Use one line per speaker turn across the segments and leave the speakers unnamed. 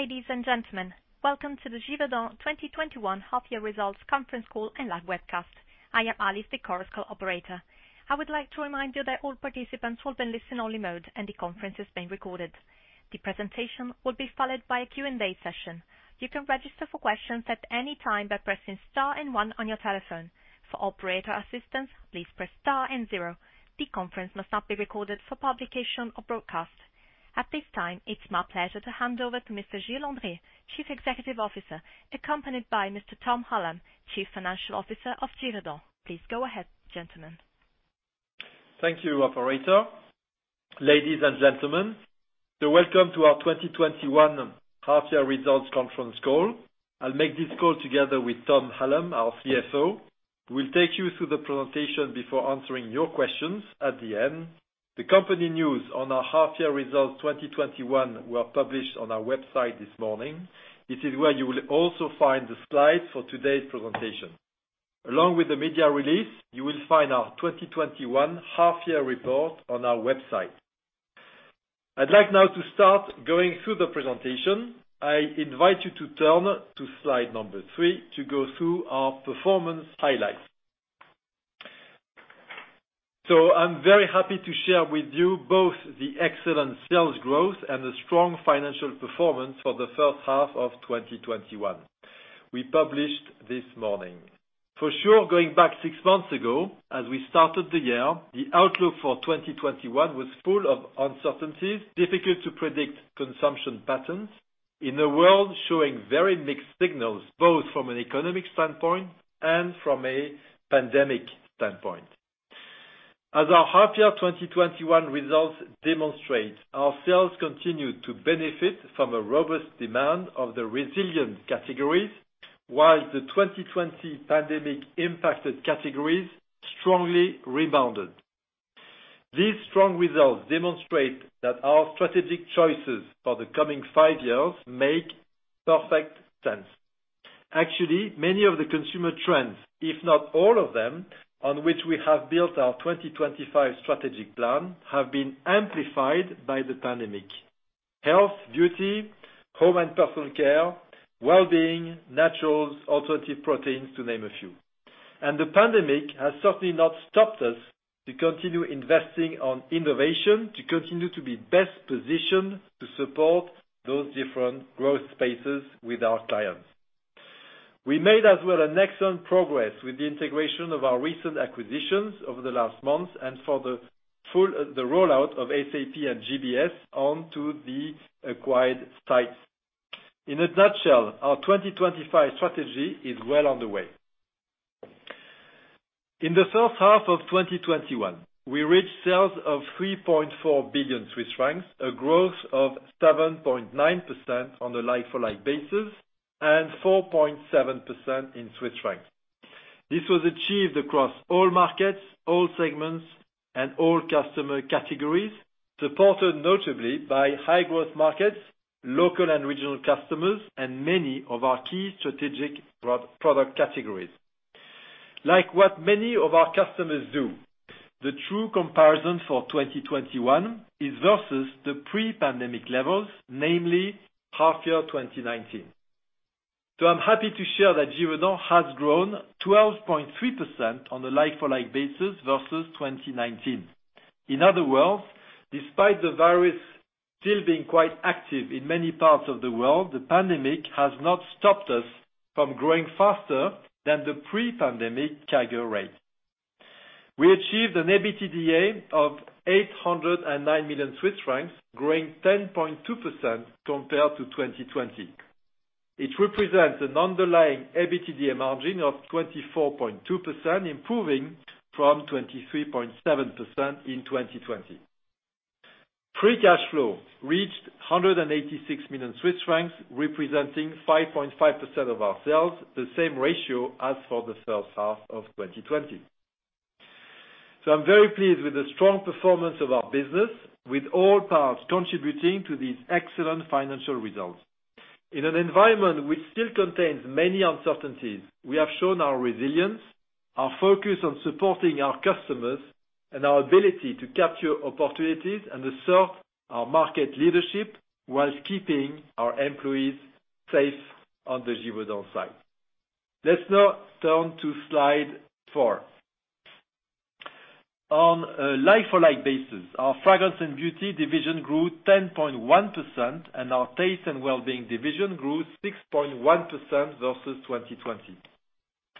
Ladies and gentlemen, welcome to the Givaudan 2021 half-year results conference call and live webcast. I am Alice, the conference call operator. I would like to remind you that all participants will be in listen-only mode, and the conference is being recorded. The presentation will be followed by a Q&A session. You can register for question at any time by pressing star and one on your telephone. For operator assistance, please press star and zero. The conference must not be recorded for publication or broadcast. At this time, it's my pleasure to hand over to Mr. Gilles Andrier, Chief Executive Officer, accompanied by Mr. Tom Hallam, Chief Financial Officer of Givaudan. Please go ahead, gentlemen.
Thank you, operator. Ladies and gentlemen, welcome to our 2021 half-year results conference call. I'll make this call together with Tom Hallam, our CFO, who will take you through the presentation before answering your questions at the end. The company news on our half-year results 2021 were published on our website this morning. This is where you will also find the slides for today's presentation. Along with the media release, you will find our 2021 half-year report on our website. I'd like now to start going through the presentation. I invite you to turn to slide number three to go through our performance highlights. I'm very happy to share with you both the excellent sales growth and the strong financial performance for the first half of 2021 we published this morning. For sure, going back six months ago, as we started the year, the outlook for 2021 was full of uncertainties, difficult to predict consumption patterns in a world showing very mixed signals, both from an economic standpoint and from a pandemic standpoint. As our half-year 2021 results demonstrate, our sales continued to benefit from a robust demand of the resilient categories, while the 2020 pandemic impacted categories strongly rebounded. These strong results demonstrate that our strategic choices for the coming five years make perfect sense. Many of the consumer trends, if not all of them, on which we have built our 2025 strategic plan, have been amplified by the pandemic. Health, beauty, home and personal care, wellbeing, naturals, alternative proteins, to name a few. The pandemic has certainly not stopped us to continue investing on innovation, to continue to be best positioned to support those different growth spaces with our clients. We made as well an excellent progress with the integration of our recent acquisitions over the last months and for the rollout of SAP and GBS onto the acquired sites. In a nutshell, our 2025 strategy is well on the way. In the first half of 2021, we reached sales of 3.4 billion Swiss francs, a growth of 7.9% on a like-for-like basis and 4.7% in CHF. This was achieved across all markets, all segments and all customer categories, supported notably by high-growth markets, local and regional customers, and many of our key strategic product categories. Like what many of our customers do, the true comparison for 2021 is versus the pre-pandemic levels, namely first half 2019. I'm happy to share that Givaudan has grown 12.3% on a like-for-like basis versus 2019. In other words, despite the virus still being quite active in many parts of the world, the pandemic has not stopped us from growing faster than the pre-pandemic CAGR rate. We achieved an EBITDA of 809 million Swiss francs, growing 10.2% compared to 2020. It represents an underlying EBITDA margin of 24.2%, improving from 23.7% in 2020. Free cash flow reached 186 million Swiss francs, representing 5.5% of our sales, the same ratio as for the first half of 2020. I'm very pleased with the strong performance of our business, with all parts contributing to these excellent financial results. In an environment which still contains many uncertainties, we have shown our resilience, our focus on supporting our customers, and our ability to capture opportunities and assert our market leadership whilst keeping our employees safe on the Givaudan site. Let's now turn to slide four. On a like-for-like basis, our Fragrance & Beauty division grew 10.1% and our Taste & Wellbeing division grew 6.1% versus 2020.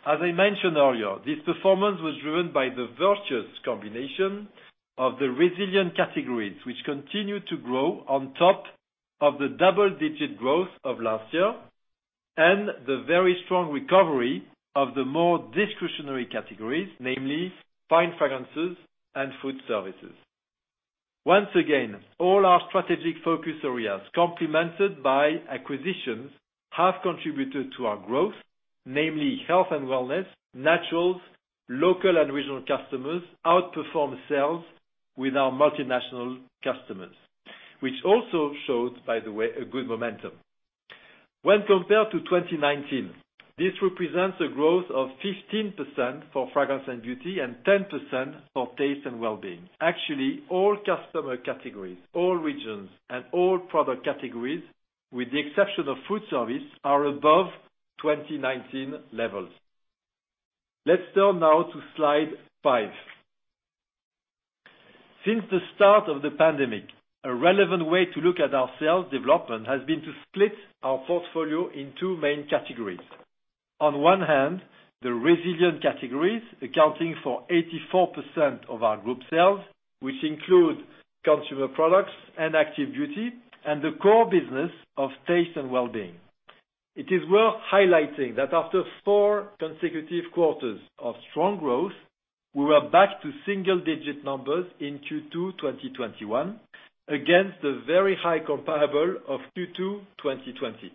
As I mentioned earlier, this performance was driven by the virtuous combination of the resilient categories, which continued to grow on top of the double-digit growth of last year, and the very strong recovery of the more discretionary categories, namely Fine fragrances and foodservice. Once again, all our strategic focus areas, complemented by acquisitions, have contributed to our growth, namely health and wellness, naturals, local and regional customers outperform sales with our multinational customers, which also showed, by the way, a good momentum. When compared to 2019, this represents a growth of 15% for Fragrance & Beauty and 10% for Taste & Wellbeing. Actually, all customer categories, all regions, and all product categories, with the exception of food service, are above 2019 levels. Let's turn now to slide five. Since the start of the pandemic, a relevant way to look at our sales development has been to split our portfolio in two main categories. On one hand, the resilient categories, accounting for 84% of our group sales, which include consumer products and Active Beauty, and the core business of Taste & Wellbeing. It is worth highlighting that after four consecutive quarters of strong growth, we are back to single-digit numbers in Q2 2021, against the very high comparable of Q2 2020.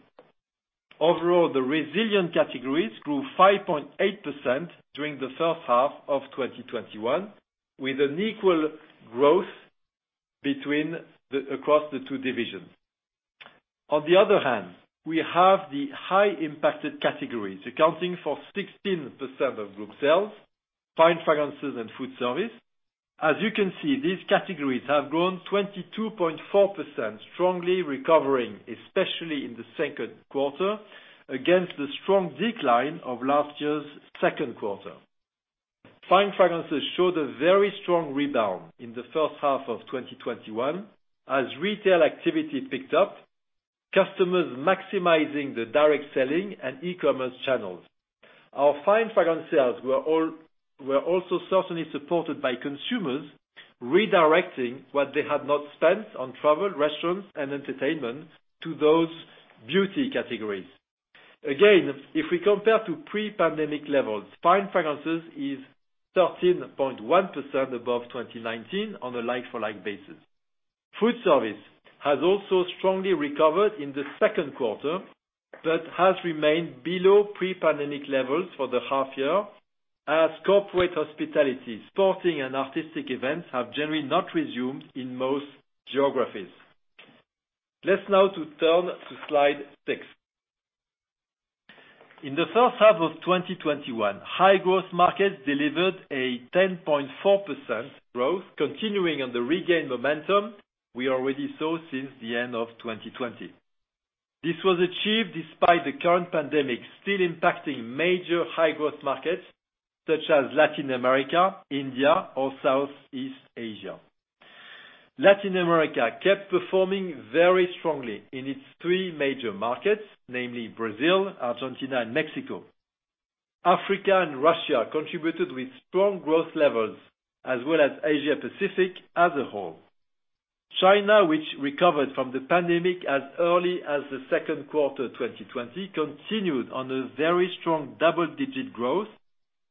Overall, the resilient categories grew 5.8% during the first half of 2021, with an equal growth across the two divisions. On the other hand, we have the high-impact categories, accounting for 16% of group sales, Fine fragrances and foodservice. As you can see, these categories have grown 22.4%, strongly recovering, especially in the second quarter, against the strong decline of last year's second quarter. Fine fragrances showed a very strong rebound in the first half of 2021 as retail activity picked up, customers maximizing the direct selling and e-commerce channels. Our Fine fragrance sales were also certainly supported by consumers redirecting what they had not spent on travel, restaurants, and entertainment to those beauty categories. Again, if we compare to pre-pandemic levels, Fine fragrances is 13.1% above 2019 on a like-for-like basis. Food service has also strongly recovered in the second quarter but has remained below pre-pandemic levels for the half year as corporate hospitality, sporting, and artistic events have generally not resumed in most geographies. Let's now to turn to slide 6. In the first half of 2021, high-growth markets delivered a 10.4% growth, continuing on the regained momentum we already saw since the end of 2020. This was achieved despite the current pandemic still impacting major high-growth markets such as Latin America, India, or Southeast Asia. Latin America kept performing very strongly in its three major markets, namely Brazil, Argentina, and Mexico. Africa and Russia contributed with strong growth levels as well as Asia Pacific as a whole. China, which recovered from the pandemic as early as the second quarter 2020, continued on a very strong double-digit growth,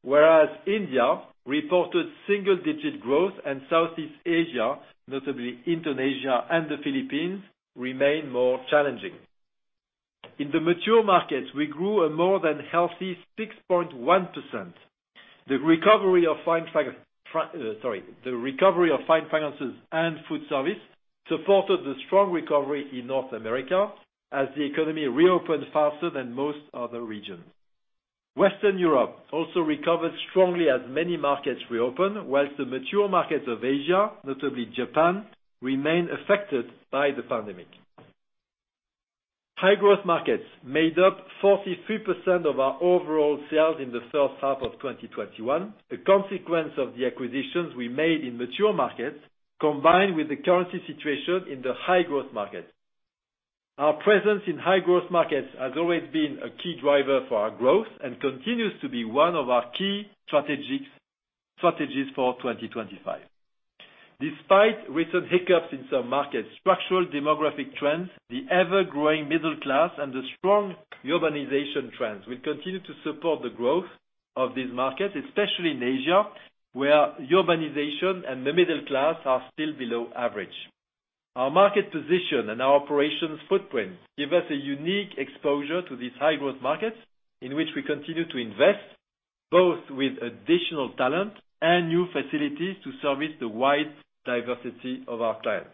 whereas India reported single-digit growth and Southeast Asia, notably Indonesia and the Philippines, remained more challenging. In the mature markets, we grew a more than healthy 6.1%. The recovery of Fine fragrances and foodservice supported the strong recovery in North America as the economy reopened faster than most other regions. Western Europe also recovered strongly as many markets reopened, whilst the mature markets of Asia, notably Japan, remain affected by the pandemic. High-growth markets made up 43% of our overall sales in the first half of 2021, a consequence of the acquisitions we made in mature markets, combined with the currency situation in the high-growth markets. Our presence in high-growth markets has always been a key driver for our growth and continues to be one of our key strategies for 2025. Despite recent hiccups in some markets, structural demographic trends, the ever-growing middle class, and the strong urbanization trends will continue to support the growth of these markets, especially in Asia, where urbanization and the middle class are still below average. Our market position and our operations footprint give us a unique exposure to these high-growth markets in which we continue to invest, both with additional talent and new facilities to service the wide diversity of our clients.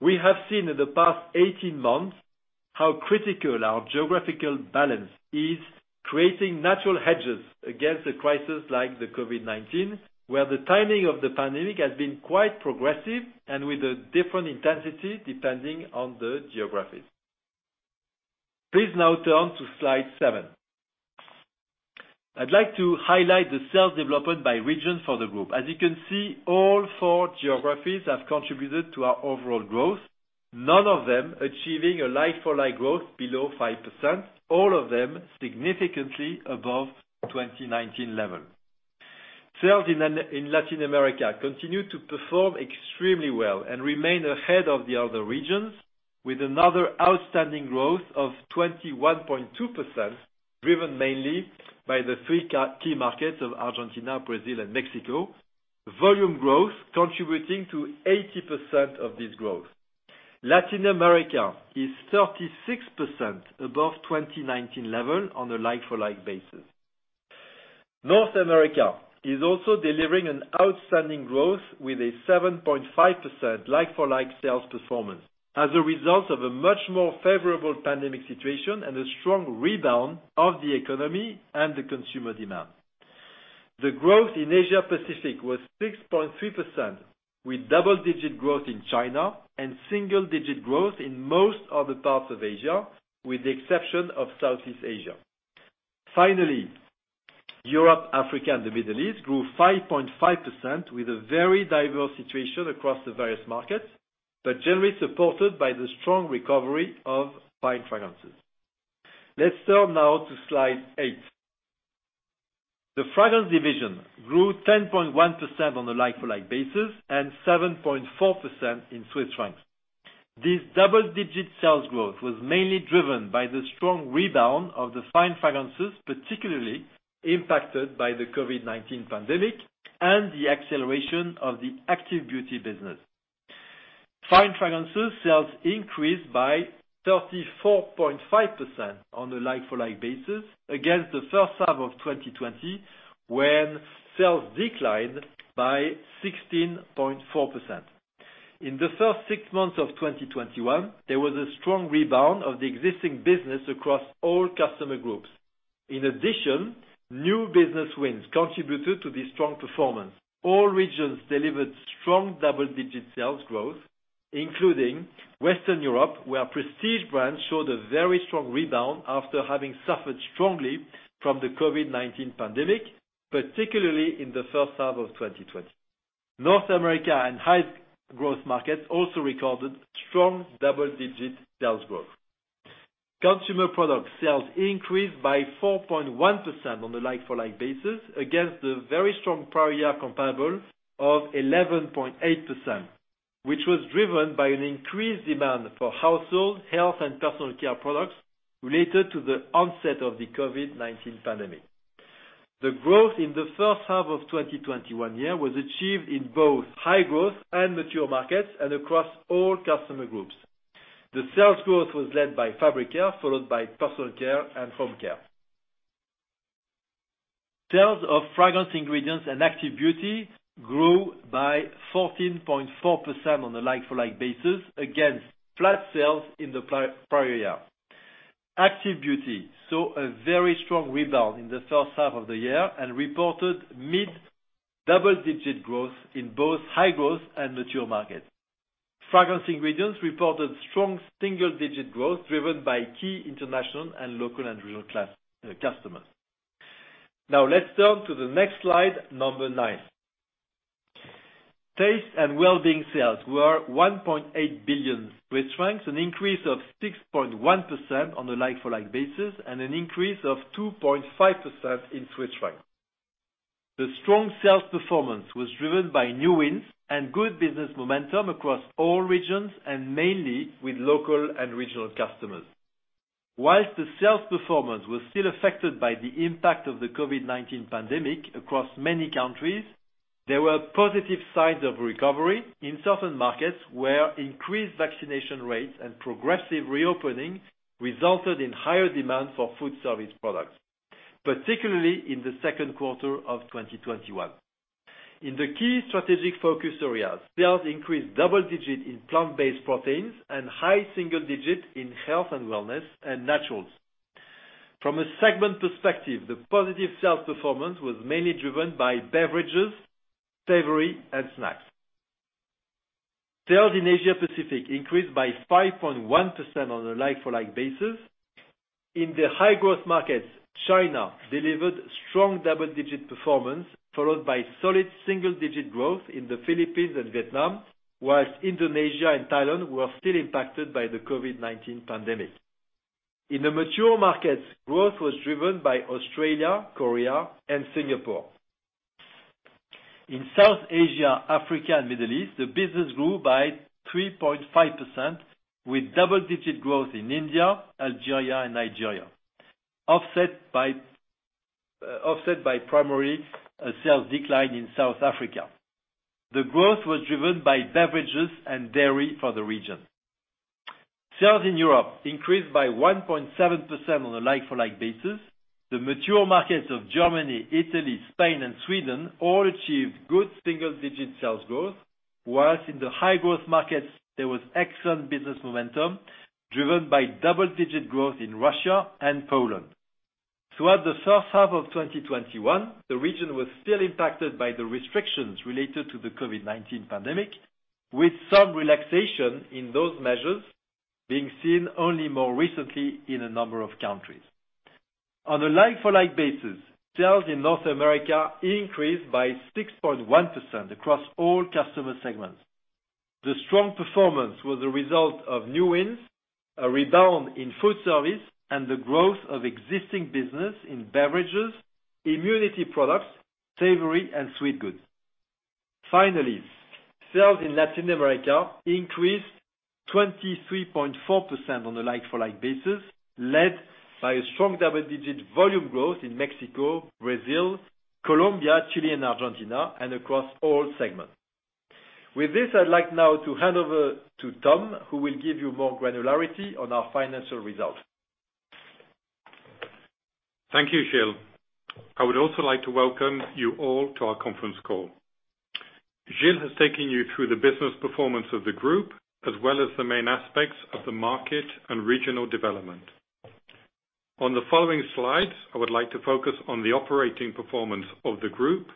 We have seen in the past 18 months how critical our geographical balance is, creating natural hedges against a crisis like the COVID-19, where the timing of the pandemic has been quite progressive and with a different intensity depending on the geographies. Please now turn to slide seven. I'd like to highlight the sales development by region for the group. As you can see, all four geographies have contributed to our overall growth, none of them achieving a like-for-like growth below 5%, all of them significantly above 2019 level. Sales in Latin America continue to perform extremely well and remain ahead of the other regions, with another outstanding growth of 21.2%, driven mainly by the three key markets of Argentina, Brazil, and Mexico. Volume growth contributing to 80% of this growth. Latin America is 36% above 2019 level on a like-for-like basis. North America is also delivering an outstanding growth with a 7.5% like-for-like sales performance as a result of a much more favorable pandemic situation and a strong rebound of the economy and the consumer demand. The growth in Asia Pacific was 6.3%, with double-digit growth in China and single-digit growth in most other parts of Asia, with the exception of Southeast Asia. Finally, Europe, Africa, and the Middle East grew 5.5% with a very diverse situation across the various markets but generally supported by the strong recovery of Fine fragrances. Let's turn now to slide eight. The fragrance division grew 10.1% on a like-for-like basis and 7.4% in Swiss Franc. This double-digit sales growth was mainly driven by the strong rebound of the Fine fragrances, particularly impacted by the COVID-19 pandemic and the acceleration of the Active Beauty business. Fine fragrances sales increased by 34.5% on a like-for-like basis against the first half of 2020, when sales declined by 16.4%. In the first six months of 2021, there was a strong rebound of the existing business across all customer groups. In addition, new business wins contributed to this strong performance. All regions delivered strong double-digit sales growth, including Western Europe, where prestige brands showed a very strong rebound after having suffered strongly from the COVID-19 pandemic, particularly in the first half of 2020. North America and high growth markets also recorded strong double-digit sales growth. Consumer products sales increased by 4.1% on a like-for-like basis against the very strong prior year comparable of 11.8%, which was driven by an increased demand for household, health, and personal care products related to the onset of the COVID-19 pandemic. The growth in the first half of 2021 year was achieved in both high growth and mature markets, and across all customer groups. The sales growth was led by fabric care, followed by personal care and home care. Sales of Fragrance Ingredients and Active Beauty grew by 14.4% on a like-for-like basis against flat sales in the prior year. Active Beauty saw a very strong rebound in the first half of the year and reported mid-double-digit growth in both high growth and mature markets. Fragrance Ingredients reported strong single-digit growth driven by key international and local and regional customers. Let's turn to the next slide, number nine. Taste & Wellbeing sales were 1.8 billion francs, an increase of 6.1% on a like-for-like basis, and an increase of 2.5% in CHF. The strong sales performance was driven by new wins and good business momentum across all regions and mainly with local and regional customers. Whilst the sales performance was still affected by the impact of the COVID-19 pandemic across many countries, there were positive signs of recovery in certain markets where increased vaccination rates and progressive reopening resulted in higher demand for food service products, particularly in the second quarter of 2021. In the key strategic focus areas, sales increased double-digit in plant-based proteins and high single-digit in health and wellness and naturals. From a segment perspective, the positive sales performance was mainly driven by beverages, savory, and snacks. Sales in Asia Pacific increased by 5.1% on a like-for-like basis. In the high-growth markets, China delivered strong double-digit performance, followed by solid single-digit growth in the Philippines and Vietnam, whilst Indonesia and Thailand were still impacted by the COVID-19 pandemic. In the mature markets, growth was driven by Australia, Korea, and Singapore. In South Asia, Africa, and Middle East, the business grew by 3.5% with double-digit growth in India, Algeria, and Nigeria, offset by primary sales decline in South Africa. The growth was driven by beverages and dairy for the region. Sales in Europe increased by 1.7% on a like-for-like basis. The mature markets of Germany, Italy, Spain, and Sweden all achieved good single-digit sales growth, whilst in the high-growth markets, there was excellent business momentum driven by double-digit growth in Russia and Poland. Throughout the first half of 2021, the region was still impacted by the restrictions related to the COVID-19 pandemic, with some relaxation in those measures being seen only more recently in a number of countries. On a like-for-like basis, sales in North America increased by 6.1% across all customer segments. The strong performance was a result of new wins, a rebound in food service, and the growth of existing business in beverages, immunity products, savory, and sweet goods. Finally, sales in Latin America increased 23.4% on a like-for-like basis, led by a strong double-digit volume growth in Mexico, Brazil, Colombia, Chile, and Argentina, and across all segments. With this, I'd like now to hand over to Tom, who will give you more granularity on our financial results.
Thank you, Gilles. I would also like to welcome you all to our conference call. Gilles has taken you through the business performance of the group, as well as the main aspects of the market and regional development. On the following slides, I would like to focus on the operating performance of the group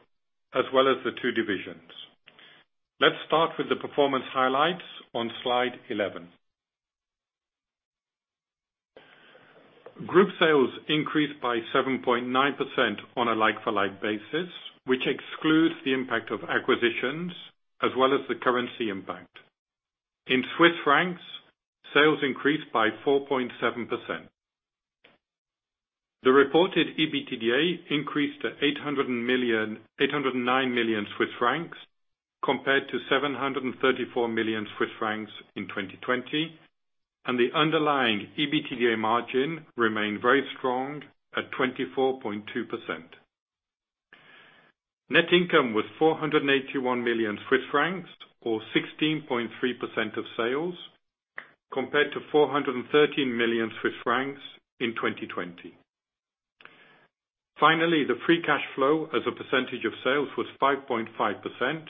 as well as the two divisions. Let's start with the performance highlights on slide 11. Group sales increased by 7.9% on a like-for-like basis, which excludes the impact of acquisitions as well as the currency impact. In Swiss francs, sales increased by 4.7%. The reported EBITDA increased to 809 million Swiss francs compared to 734 million Swiss francs in 2020, and the underlying EBITDA margin remained very strong at 24.2%. Net income was 481 million Swiss francs or 16.3% of sales compared to 413 million Swiss francs in 2020. The free cash flow as a percentage of sales was 5.5%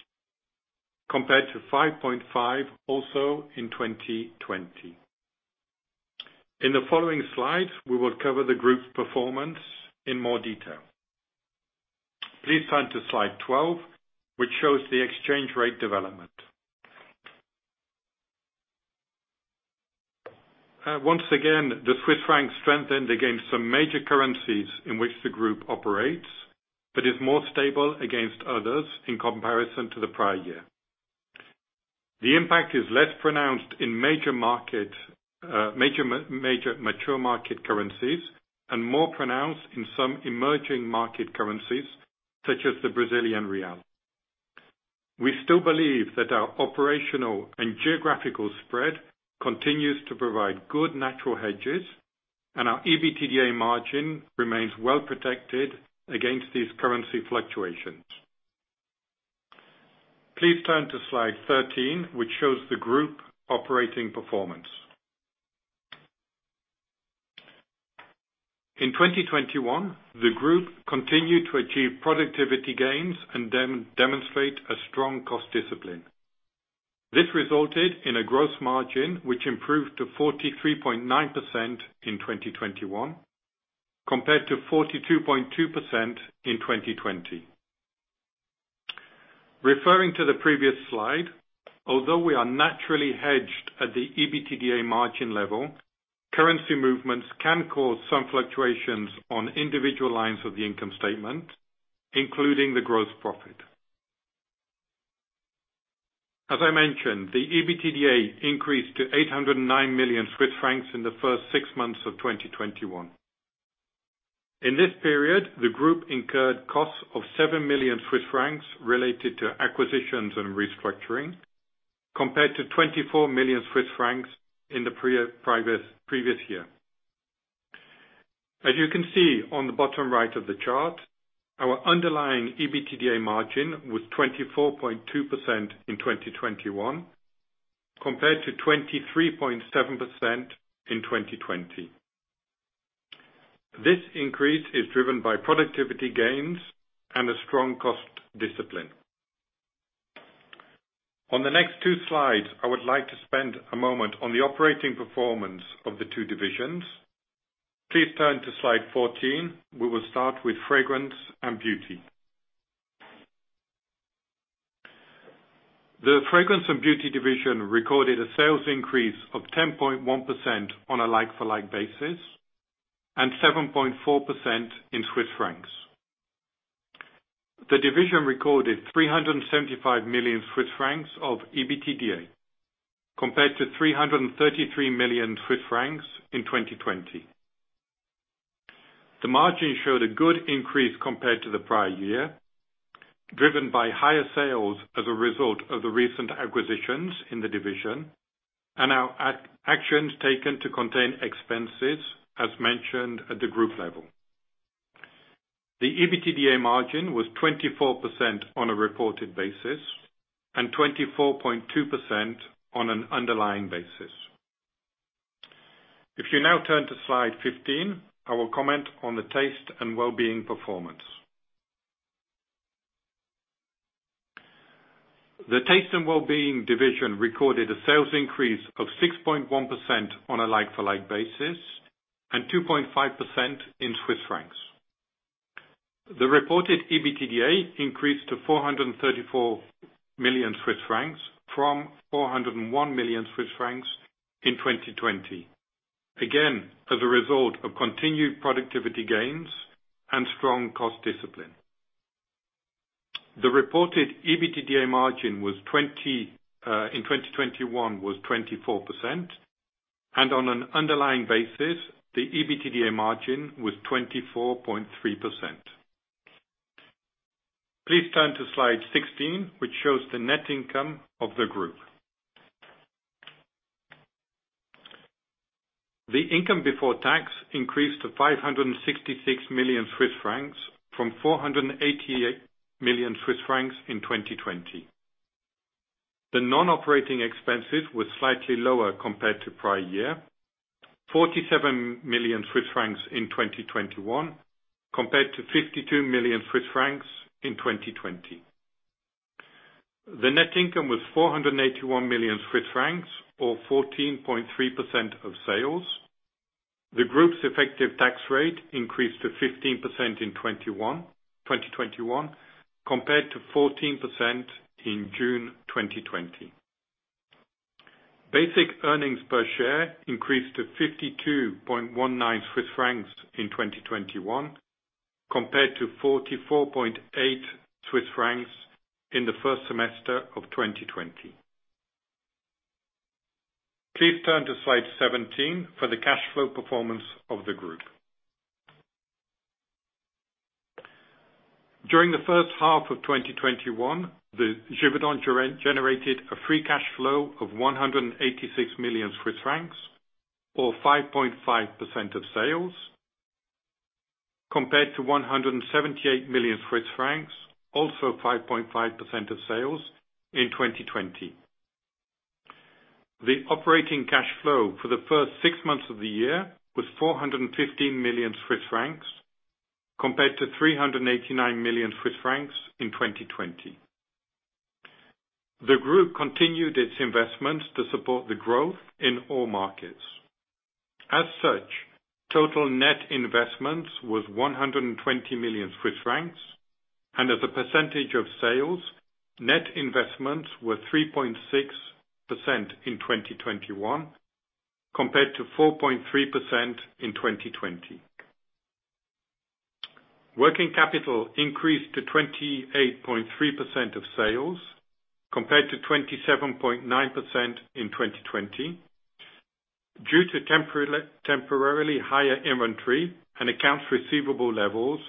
compared to 5.5% also in 2020. In the following slides, we will cover the group's performance in more detail. Please turn to slide 12, which shows the exchange rate development. Once again, the Swiss franc strengthened against some major currencies in which the group operates but is more stable against others in comparison to the prior year. The impact is less pronounced in major mature market currencies and more pronounced in some emerging market currencies such as the Brazilian real. We still believe that our operational and geographical spread continues to provide good natural hedges, and our EBITDA margin remains well protected against these currency fluctuations. Please turn to slide 13, which shows the group operating performance. In 2021, the group continued to achieve productivity gains and demonstrate a strong cost discipline. This resulted in a gross margin, which improved to 43.9% in 2021 compared to 42.2% in 2020. Referring to the previous slide, although we are naturally hedged at the EBITDA margin level, currency movements can cause some fluctuations on individual lines of the income statement, including the gross profit. As I mentioned, the EBITDA increased to 809 million Swiss francs in the first six months of 2021. In this period, the group incurred costs of 7 million Swiss francs related to acquisitions and restructuring, compared to 24 million Swiss francs in the previous year. As you can see on the bottom right of the chart, our underlying EBITDA margin was 24.2% in 2021 compared to 23.7% in 2020. This increase is driven by productivity gains and a strong cost discipline. On the next two slides, I would like to spend a moment on the operating performance of the two divisions. Please turn to slide 14. We will start with Fragrance & Beauty. The Fragrance & Beauty division recorded a sales increase of 10.1% on a like-for-like basis and 7.4% in CHF. The division recorded 375 million Swiss francs of EBITDA compared to 333 million Swiss francs in 2020. The margin showed a good increase compared to the prior year, driven by higher sales as a result of the recent acquisitions in the division and our actions taken to contain expenses, as mentioned at the group level. The EBITDA margin was 24% on a reported basis and 24.2% on an underlying basis. If you now turn to slide 15, I will comment on the Taste & Wellbeing performance. The Taste & Wellbeing division recorded a sales increase of 6.1% on a like-for-like basis and 2.5% in Swiss Franc. The reported EBITDA increased to 434 million Swiss francs from 401 million Swiss francs in 2020, again, as a result of continued productivity gains and strong cost discipline. The reported EBITDA margin in 2021 was 24%, and on an underlying basis, the EBITDA margin was 24.3%. Please turn to slide 16, which shows the net income of the group. The income before tax increased to 566 million Swiss francs from 488 million Swiss francs in 2020. The non-operating expenses were slightly lower compared to prior year, 47 million Swiss francs in 2021 compared to 52 million Swiss francs in 2020. The net income was 481 million Swiss francs or 14.3% of sales. The group's effective tax rate increased to 15% in 2021 compared to 14% in June 2020. Basic earnings per share increased to 52.19 Swiss francs in 2021 compared to 44.8 Swiss francs in the first semester of 2020. Please turn to slide 17 for the cash flow performance of the group. During the first half of 2021, Givaudan generated a free cash flow of 186 million Swiss francs or 5.5% of sales, compared to 178 million Swiss francs, also 5.5% of sales in 2020. The operating cash flow for the first six months of the year was 415 million Swiss francs compared to 389 million Swiss francs in 2020. The group continued its investments to support the growth in all markets. As such, total net investments was 120 million Swiss francs, and as a percentage of sales, net investments were 3.6% in 2021 compared to 4.3% in 2020. Working capital increased to 28.3% of sales compared to 27.9% in 2020 due to temporarily higher inventory and accounts receivable levels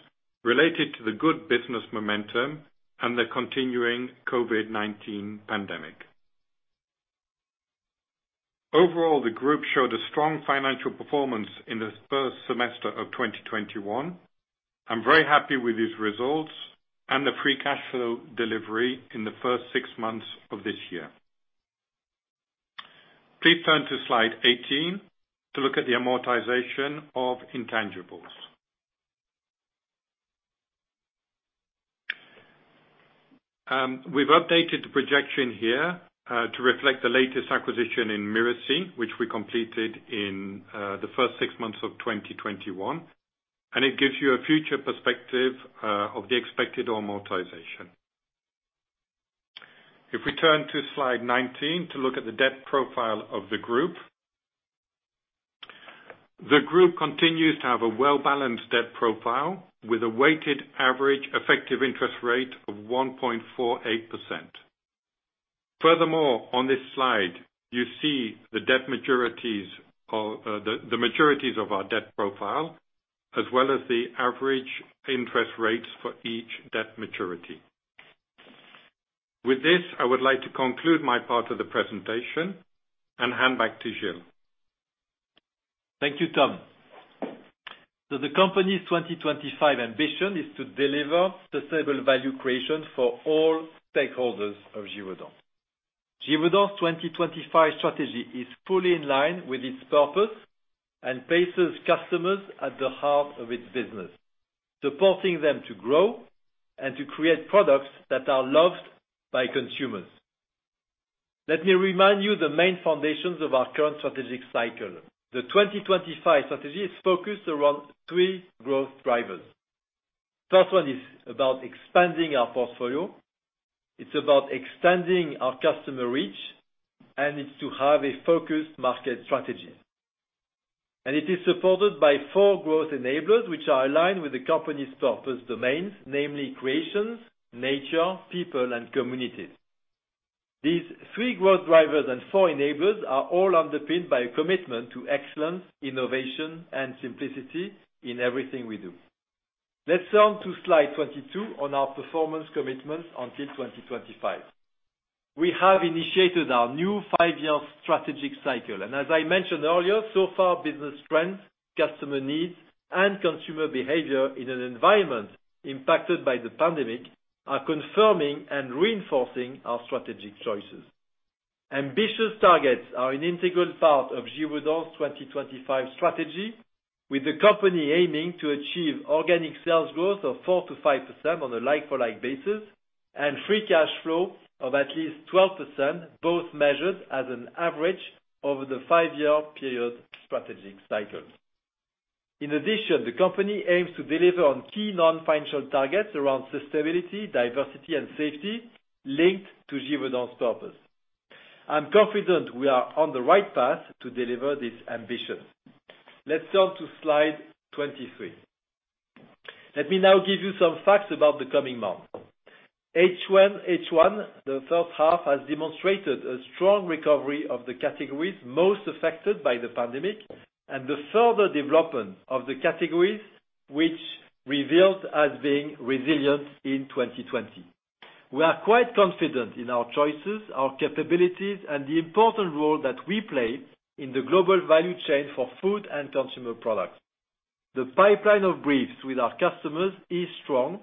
related to the good business momentum and the continuing COVID-19 pandemic. Overall, the group showed a strong financial performance in the first semester of 2021. I'm very happy with these results and the free cash flow delivery in the first six months of this year. Please turn to slide 18 to look at the amortization of intangibles. We've updated the projection here to reflect the latest acquisition in Myrissi, which we completed in the first six months of 2021, and it gives you a future perspective of the expected amortization. If we turn to slide 19 to look at the debt profile of the group. The group continues to have a well-balanced debt profile with a weighted average effective interest rate of 1.48%. Furthermore, on this slide, you see the maturities of our debt profile as well as the average interest rates for each debt maturity. With this, I would like to conclude my part of the presentation and hand back to Gilles.
Thank you, Tom. The company's 2025 ambition is to deliver sustainable value creation for all stakeholders of Givaudan. Givaudan's 2025 strategy is fully in line with its purpose and places customers at the heart of its business, supporting them to grow and to create products that are loved by consumers. Let me remind you the main foundations of our current strategic cycle. The 2025 strategy is focused around three growth drivers. First one is about expanding our portfolio. It's about extending our customer reach, and it's to have a focused market strategy. It is supported by four growth enablers, which are aligned with the company's purpose domains, namely creation, nature, people, and communities. These three growth drivers and four enablers are all underpinned by a commitment to excellence, innovation, and simplicity in everything we do. Let's turn to slide 22 on our performance commitments until 2025. We have initiated our new five-year strategic cycle, and as I mentioned earlier, so far, business trends, customer needs, and consumer behavior in an environment impacted by the pandemic are confirming and reinforcing our strategic choices. Ambitious targets are an integral part of Givaudan's 2025 strategy, with the company aiming to achieve organic sales growth of 4%-5% on a like-for-like basis and free cash flow of at least 12%, both measured as an average over the five-year period strategic cycles. In addition, the company aims to deliver on key non-financial targets around sustainability, diversity, and safety linked to Givaudan's purpose. I'm confident we are on the right path to deliver this ambition. Let's turn to slide 23. Let me now give you some facts about the coming months. H1, the first half, has demonstrated a strong recovery of the categories most affected by the pandemic and the further development of the categories which revealed as being resilient in 2020. We are quite confident in our choices, our capabilities, and the important role that we play in the global value chain for food and consumer products. The pipeline of briefs with our customers is strong,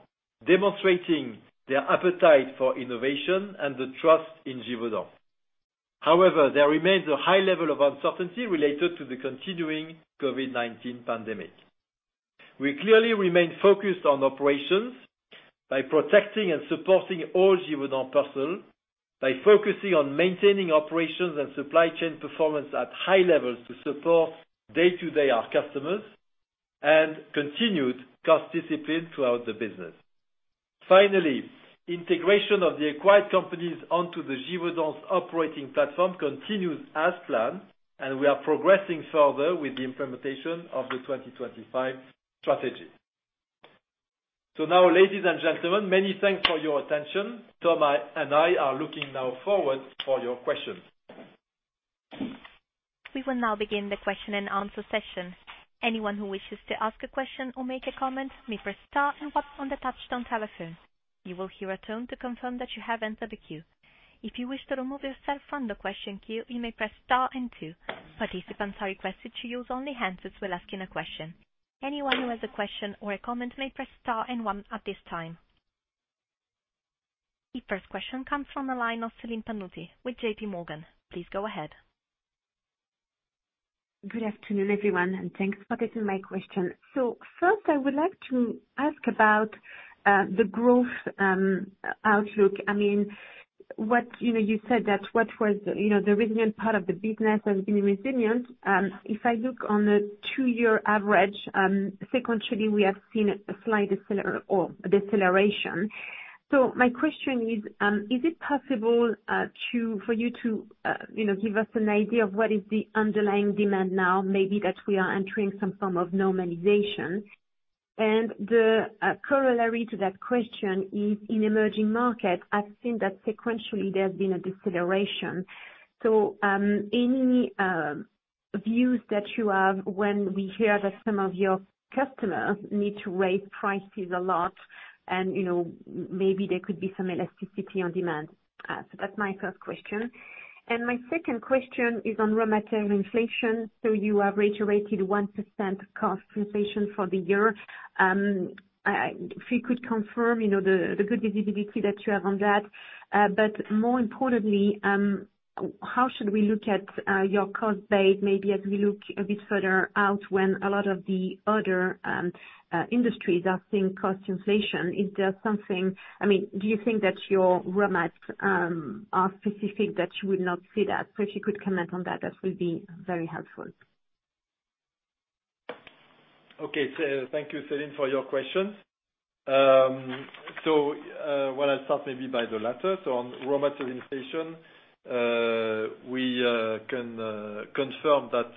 demonstrating their appetite for innovation and the trust in Givaudan. However, there remains a high level of uncertainty related to the continuing COVID-19 pandemic. We clearly remain focused on operations by protecting and supporting all Givaudan personnel, by focusing on maintaining operations and supply chain performance at high levels to support day-to-day our customers, and continued cost discipline throughout the business. Finally, integration of the acquired companies onto the Givaudan's operating platform continues as planned, and we are progressing further with the implementation of the 2025 strategy. Ladies and gentlemen, many thanks for your attention. Tom and I are looking now forward for your questions.
We will now begin the question-and-answer session. Anyone who wishes to ask a question or make a comment may press star and one on the touch-tone telephone. You will hear a tone to confirm that you have entered the queue. If you wish to remove yourself from the question queue, you may press star and two. Participants are requested to use only hands when asking a question. Anyone who has a question or a comment may press star and one at this time. The first question comes from the line of Celine Pannuti with JPMorgan. Please go ahead.
Good afternoon, everyone, and thanks for taking my question. First, I would like to ask about the growth outlook. You said that what was the resilient part of the business has been resilient. If I look on the two-year average, sequentially, we have seen a slight deceleration. My question is it possible for you to give us an idea of what is the underlying demand now, maybe that we are entering some form of normalization? The corollary to that question is, in Emerging Markets, I've seen that sequentially there's been a deceleration. Any views that you have when we hear that some of your customers need to raise prices a lot and maybe there could be some elasticity on demand? That's my first question. My second question is on raw material inflation. You have reiterated 1% cost inflation for the year. If you could confirm the good visibility that you have on that. More importantly, how should we look at your cost base, maybe as we look a bit further out when a lot of the other industries are seeing cost inflation. Do you think that your raw materials are specific that you would not see that? If you could comment on that would be very helpful.
Okay. Thank you, Celine, for your question. Well, I'll start maybe by the latter. On raw material inflation, we can confirm that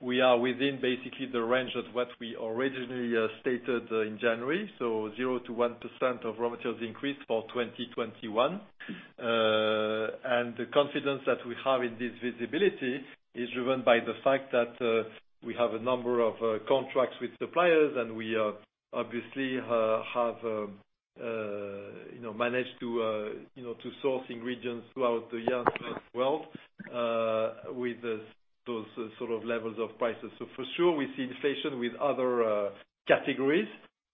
we are within basically the range of what we originally stated in January. 0%-1% of raw materials increase for 2021. The confidence that we have in this visibility is driven by the fact that we have a number of contracts with suppliers, and we obviously have managed to source ingredients throughout the year as well with those sorts of levels of prices. For sure, we see inflation with other categories.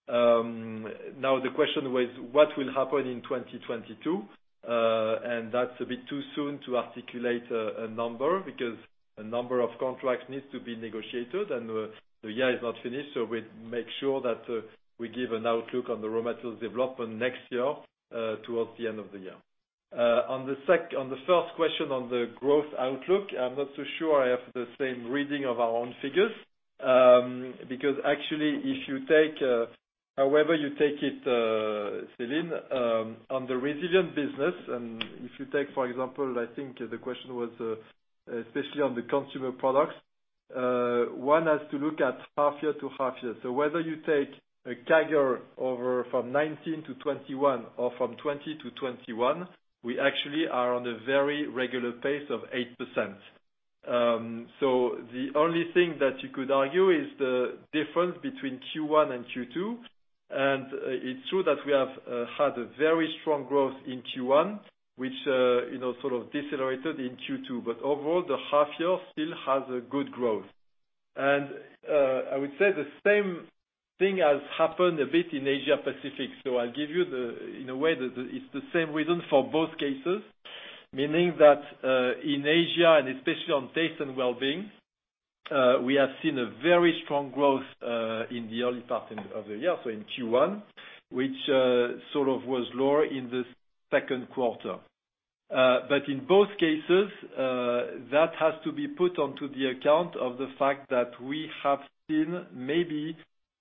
The question was what will happen in 2022? That's a bit too soon to articulate a number, because a number of contracts needs to be negotiated, and the year is not finished. We'll make sure that we give an outlook on the raw materials development next year towards the end of the year. On the first question on the growth outlook, I'm not so sure I have the same reading of our own figures. Actually, however you take it, Celine, on the resilient business, and if you take, for example, I think the question was especially on the consumer products, one has to look at half-year to half-year. Whether you take a CAGR over from 2019 to 2021 or from 2020 to 2021, we actually are on a very regular pace of 8%. It's true that we have had a very strong growth in Q1, which sort of decelerated in Q2. Overall, the half-year still has a good growth. I would say the same thing has happened a bit in Asia Pacific. I'll give you, in a way, it's the same reason for both cases, meaning that in Asia, and especially on Taste & Wellbeing, we have seen a very strong growth in the early part of the year, in Q1, which sort of was lower in the second quarter. In both cases, that has to be put onto the account of the fact that we have seen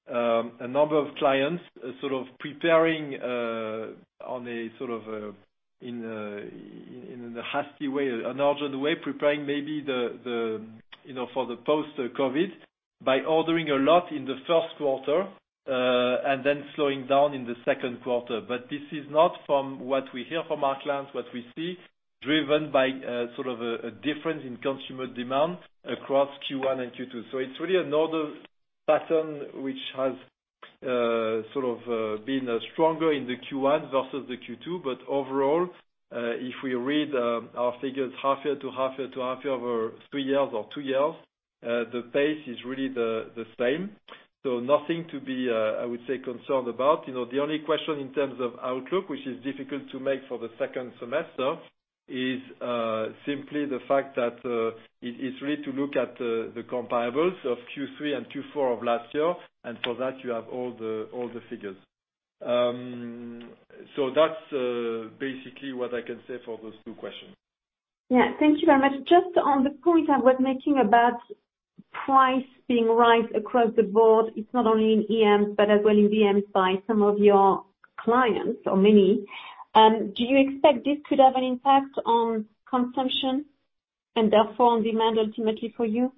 maybe a number of clients sort of preparing on a sort of in a hasty way, an urgent way, preparing maybe for the post-COVID by ordering a lot in the first quarter, and then slowing down in the second quarter. This is not from what we hear from our clients, what we see driven by sort of a difference in consumer demand across Q1 and Q2. It's really another pattern which has sort of been stronger in the Q1 versus the Q2. Overall, if we read our figures half year to half year to half year, over three years or two years, the pace is really the same. Nothing to be, I would say concerned about. The only question in terms of outlook, which is difficult to make for the second semester, is simply the fact that it is really to look at the comparables of Q3 and Q4 of last year, and for that you have all the figures. That's basically what I can say for those two questions.
Yeah. Thank you very much. Just on the point I was making about price being raised across the board, it is not only in EMs, but as well in VMS by some of your clients or many. Do you expect this could have an impact on consumption and therefore on demand ultimately for you?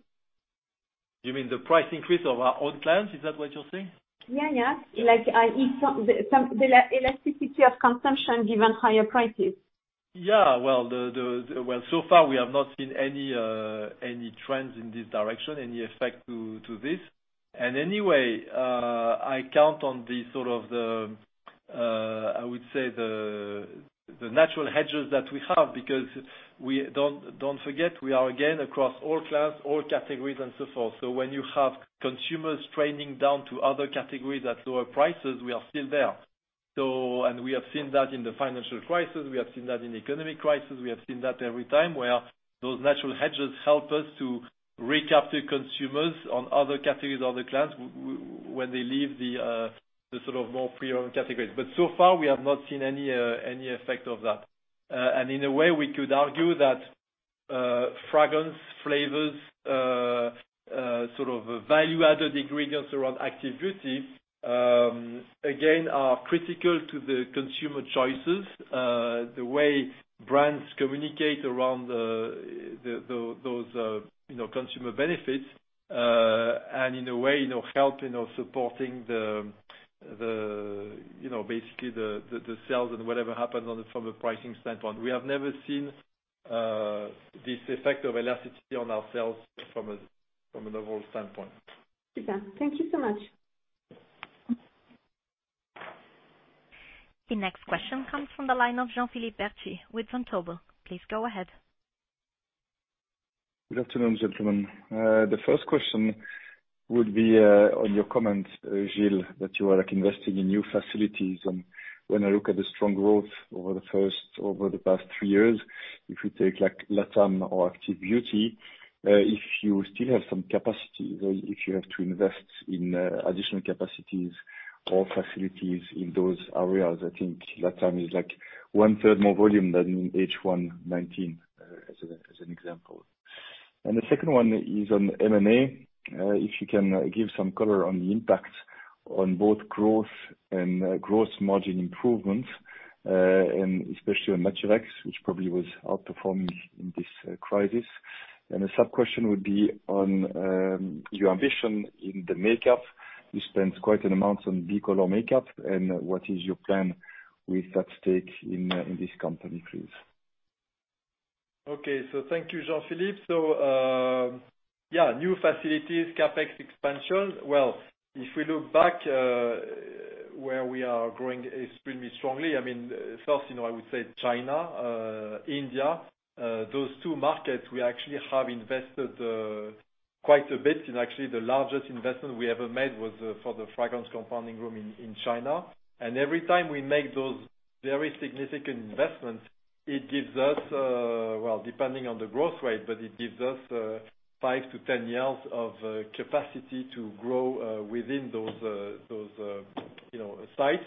You mean the price increase of our own clients? Is that what you're saying?
Yeah. The elasticity of consumption given higher prices.
Yeah. Well, so far we have not seen any trends in this direction, any effect to this. Anyway, I count on the, I would say the natural hedges that we have, because don't forget, we are again across all clients, all categories and so forth. When you have consumers trading down to other categories at lower prices, we are still there. We have seen that in the financial crisis, we have seen that in economic crisis, we have seen that every time where those natural hedges help us to recapture consumers on other categories or other clients when they leave the more premium categories. So far, we have not seen any effect of that. In a way, we could argue that fragrance, flavors, value-added ingredients around Active Beauty, again, are critical to the consumer choices, the way brands communicate around those consumer benefits, and in a way help supporting basically the sales and whatever happens from a pricing standpoint. We have never seen this effect of elasticity on our sales from an overall standpoint.
Super. Thank you so much.
The next question comes from the line of Jean-Philippe Bertschy with Vontobel. Please go ahead.
Good afternoon, gentlemen. The first question would be on your comment, Gilles, that you are investing in new facilities. When I look at the strong growth over the past three years, if you take LATAM or Active Beauty, if you still have some capacity, if you have to invest in additional capacities or facilities in those areas, I think LATAM is one-third more volume than in H1 2019, as an example. The second one is on M&A. If you can give some color on the impact on both growth and gross margin improvements, and especially on Naturex, which probably was outperforming in this crisis. A sub-question would be on your ambition in the makeup. You spent quite an amount on b.kolormakeup, and what is your plan with that stake in this company, please?
Okay. Thank you, Jean-Philippe. New facilities, CapEx expansion. Well, if we look back where we are growing extremely strongly, first, I would say China, India. Those two markets we actually have invested quite a bit. Actually, the largest investment we ever made was for the fragrance compounding room in China. Every time we make those very significant investments, it gives us, well, depending on the growth rate, but it gives us 5-10 years of capacity to grow within those sites.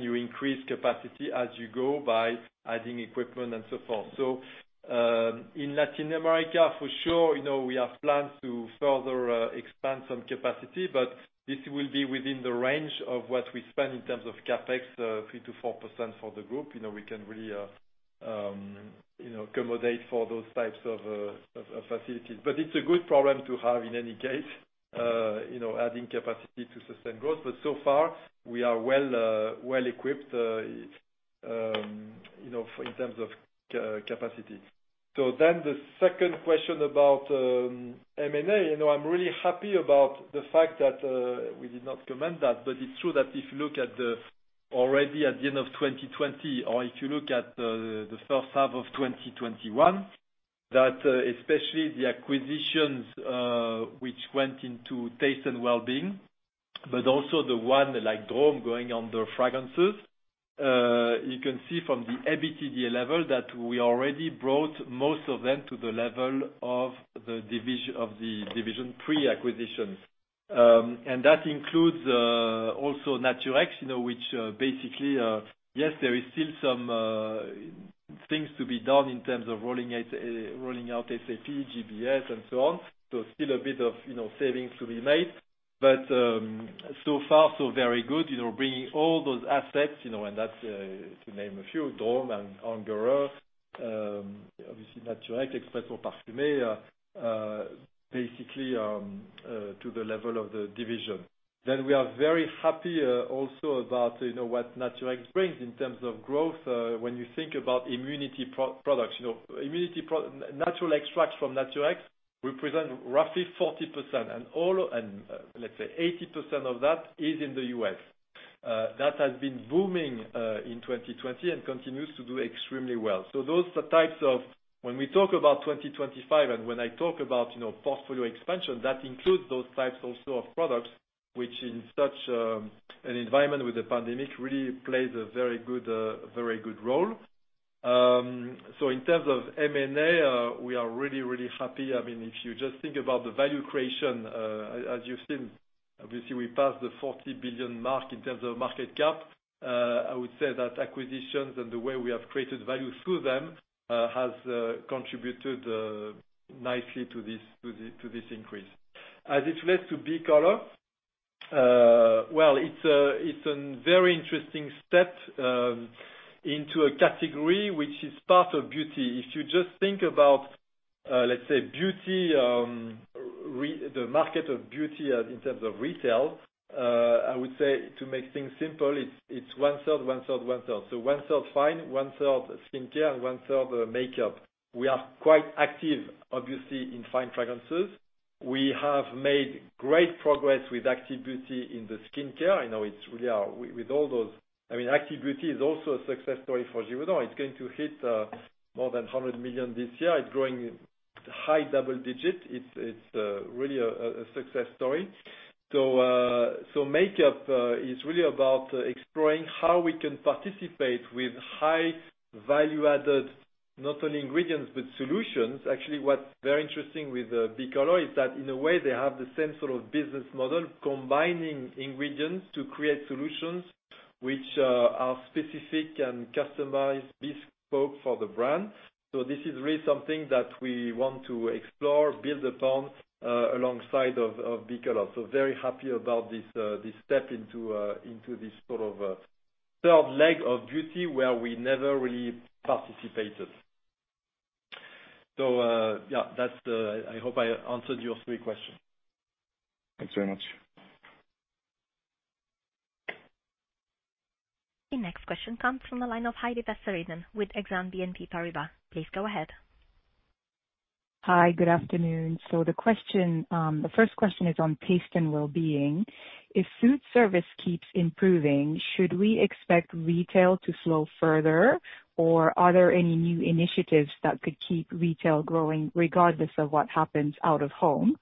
You increase capacity as you go by adding equipment and so forth. In Latin America, for sure, we have plans to further expand some capacity, but this will be within the range of what we spend in terms of CapEx, 3%-4% for the group. We can really accommodate for those types of facilities. It's a good problem to have in any case, adding capacity to sustain growth. So far we are well-equipped in terms of capacity. The second question about M&A. I'm really happy about the fact that we did not comment that, but it's true that if you look already at the end of 2020, or if you look at the first half of 2021, that especially the acquisitions which went into Taste & Wellbeing, but also the one like Drom going under Fragrance. You can see from the EBITDA level that we already brought most of them to the level of the division pre-acquisition. That includes also Naturex, which basically, yes, there is still some things to be done in terms of rolling out SAP, GBS and so on. Still a bit of savings to be made. So far so very good, bringing all those assets, and that's to name a few, Drom and Ungerer, obviously Naturex, Expressions Parfumées, basically to the level of the division. We are very happy also about what Naturex brings in terms of growth. When you think about immunity products, natural extracts from Naturex represent roughly 40%, and let's say 80% of that is in the U.S. That has been booming in 2020 and continues to do extremely well. Those are the types of, when we talk about 2025 and when I talk about portfolio expansion, that includes those types also of products, which in such an environment with the pandemic, really plays a very good role. In terms of M&A, we are really happy. If you just think about the value creation, as you've seen, obviously we passed the 40 billion mark in terms of market cap. I would say that acquisitions and the way we have created value through them, has contributed nicely to this increase. It relates to b.kolor, well, it's a very interesting step into a category which is part of beauty. If you just think about let's say, the market of beauty in terms of retail, I would say to make things simple, it's 1/3, 1/3, 1/3. One-third Fine, 1/3 skincare, and 1/3 makeup. We are quite active, obviously, in Fine fragrances. We have made great progress with Active Beauty in the skincare. Active Beauty is also a success story for Givaudan. It's going to hit more than 100 million this year. It's growing high double digits. It's really a success story. Makeup is really about exploring how we can participate with high value-added, not only ingredients, but solutions. Actually, what's very interesting with b.kolor is that in a way, they have the same sort of business model, combining ingredients to create solutions which are specific and customized bespoke for the brand. This is really something that we want to explore, build upon, alongside of b.kolor. Very happy about this step into this sort of third leg of beauty where we never really participated. Yeah. I hope I answered your three questions.
Thanks very much.
The next question comes from the line of Heidi Vesterinen with Exane BNP Paribas. Please go ahead.
Hi, good afternoon. The first question is on Taste & Wellbeing. If foodservice keeps improving, should we expect retail to slow further? Are there any new initiatives that could keep retail growing regardless of what happens out of home?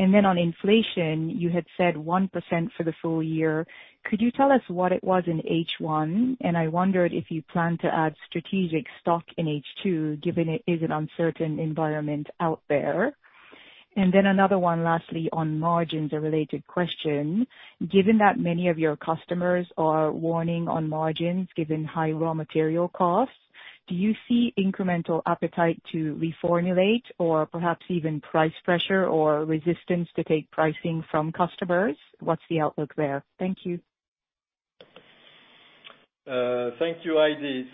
On inflation, you had said 1% for the full year. Could you tell us what it was in H1? I wondered if you plan to add strategic stock in H2, given it is an uncertain environment out there. Another one, lastly, on margins, a related question. Given that many of your customers are warning on margins, given high raw material costs, do you see incremental appetite to reformulate or perhaps even price pressure or resistance to take pricing from customers? What's the outlook there? Thank you.
Thank you, Heidi.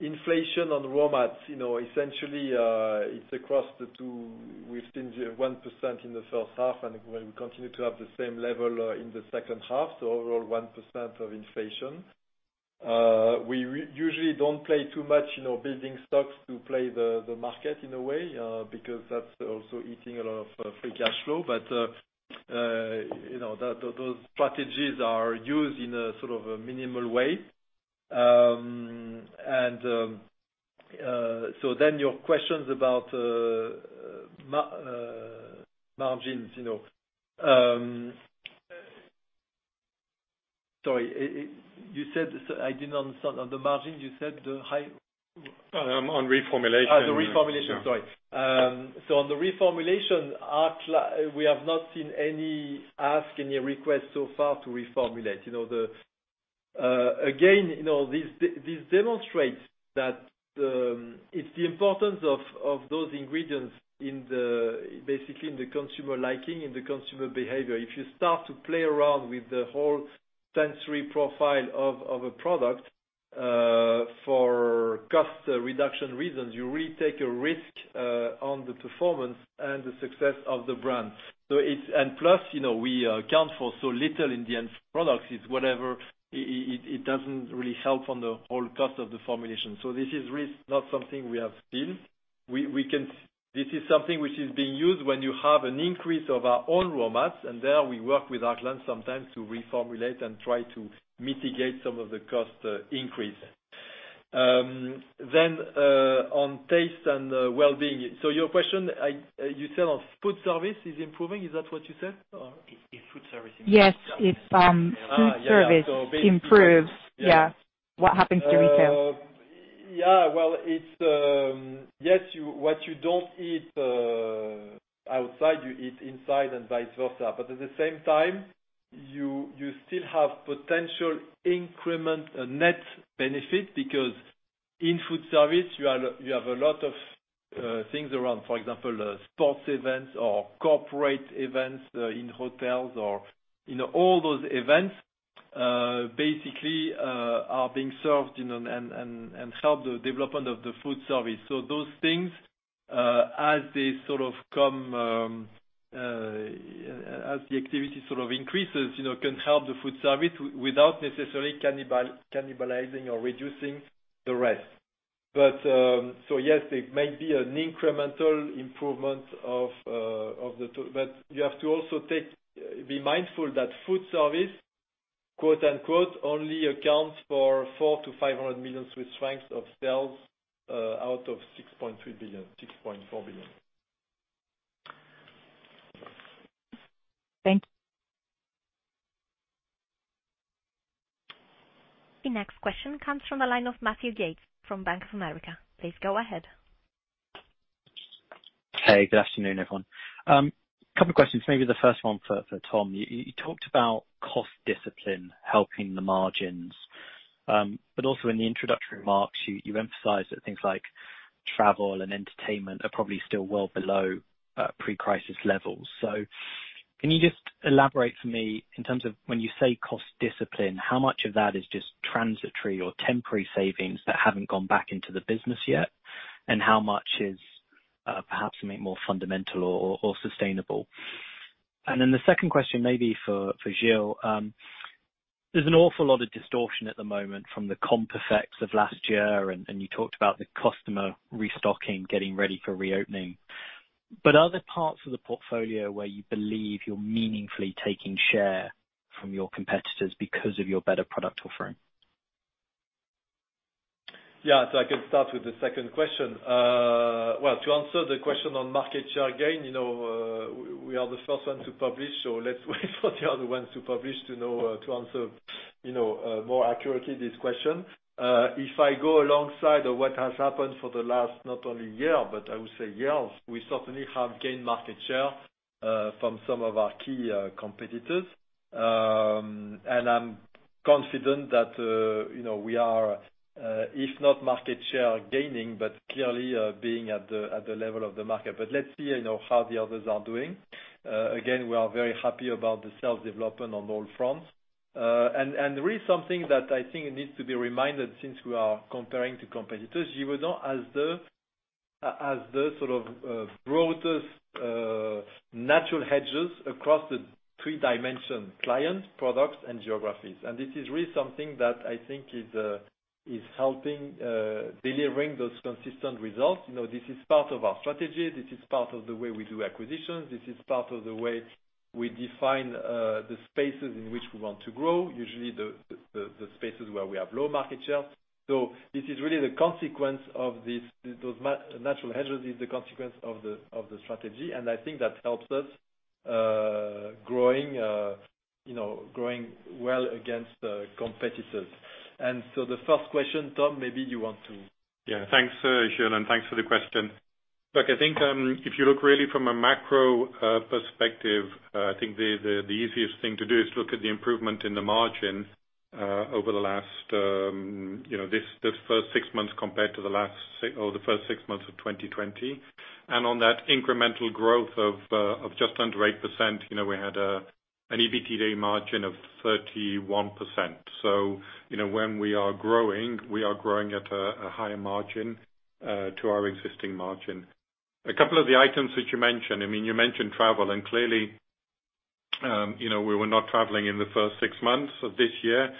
Inflation on raw mats, essentially, it's across the two. We've seen 1% in the first half, and we continue to have the same level in the second half, so overall 1% of inflation. We usually don't play too much building stocks to play the market in a way, because that's also eating a lot of free cash flow. Those strategies are used in a sort of a minimal way. Your questions about margins. Sorry, I did not understand. On the margins, you said the high.
On reformulation.
The reformulation. Sorry. On the reformulation, we have not seen any ask, any request so far to reformulate. Again, this demonstrates that it's the importance of those ingredients basically in the consumer liking, in the consumer behavior. If you start to play around with the whole sensory profile of a product for cost reduction reasons, you really take a risk on the performance and the success of the brand. Plus, we account for so little in the end products. It doesn't really help on the whole cost of the formulation. This is really not something we have seen. This is something which is being used when you have an increase of our own raw mats, and there we work with our clients sometimes to reformulate and try to mitigate some of the cost increase. On Taste & Wellbeing. Your question, you said on food service is improving? Is that what you said?
If food service improves.
Yes, if food service improves.
Yeah.
Yeah. What happens to retail?
Yes, what you don't eat outside, you eat inside and vice versa. At the same time, you still have potential increment net benefit because in food service, you have a lot of things around. For example, sports events or corporate events in hotels. All those events basically are being served and help the development of the food service. As the activity increases, can help the food service without necessarily cannibalizing or reducing the rest. Yes, there might be an incremental improvement, but you have to also be mindful that food service, quote-unquote, only accounts for 400 million-500 million Swiss francs of sales out of 6.3 billion, 6.4 billion.
Thank you.
The next question comes from the line of Matthew Yates from Bank of America. Please go ahead.
Good afternoon, everyone. A couple of questions, maybe the first one for Tom. You talked about cost discipline helping the margins. Also in the introductory remarks, you emphasized that things like travel and entertainment are probably still well below pre-crisis levels. Can you just elaborate for me in terms of when you say cost discipline, how much of that is just transitory or temporary savings that haven't gone back into the business yet? How much is perhaps maybe more fundamental or sustainable? The second question, maybe for Gilles. There's an awful lot of distortion at the moment from the comp effects of last year, and you talked about the customer restocking, getting ready for reopening. Are there parts of the portfolio where you believe you're meaningfully taking share from your competitors because of your better product offering?
Yeah. I can start with the second question. Well, to answer the question on market share gain, we are the first one to publish, let's wait for the other ones to publish to answer more accurately this question. If I go alongside of what has happened for the last, not only year, but I would say years, we certainly have gained market share from some of our key competitors. I'm confident that we are, if not market share gaining, but clearly being at the level of the market. Let's see how the others are doing. Again, we are very happy about the sales development on all fronts. There is something that I think needs to be reminded since we are comparing to competitors. Givaudan has the sort of broadest natural hedges across the three dimension client, products, and geographies. This is really something that I think is helping delivering those consistent results. This is part of our strategy, this is part of the way we do acquisitions, this is part of the way we define the spaces in which we want to grow, usually the spaces where we have low market share. This is really the consequence of those natural hedges, is the consequence of the strategy, and I think that helps us growing well against competitors. The first question, Tom, maybe you want to
Thanks, Gilles, and thanks for the question. I think, if you look really from a macro perspective, I think the easiest thing to do is look at the improvement in the margin, this first six months compared to the first six months of 2020. On that incremental growth of just under 8%, we had an EBITDA margin of 31%. When we are growing, we are growing at a higher margin to our existing margin. A couple of the items that you mentioned. You mentioned travel, and clearly, we were not traveling in the first six months of this year.